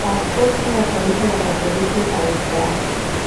Askofu wa kanisa la katoliki alistaafu